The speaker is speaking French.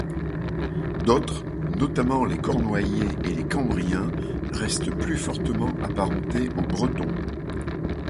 D'autres, notamment les Cornouaillais et les Cambriens, restent plus fortement apparentés aux Bretons.